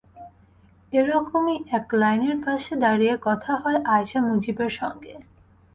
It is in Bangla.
এ রকমই এক লাইনের পাশে দাঁড়িয়ে কথা হয় আয়শা মুজিবের সঙ্গে।